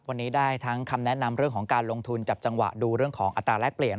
วันนี้ได้ทั้งคำแนะนำเรื่องของการลงทุนจับจังหวะดูเรื่องของอัตราแรกเปลี่ยน